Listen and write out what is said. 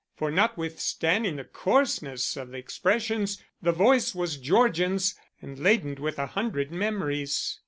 For notwithstanding the coarseness of the expressions, the voice was Georgian's and laden with a hundred memories.